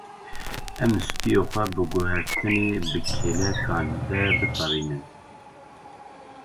Em stûyê xwe bi guhertinê bi kêlekan de bitewînin.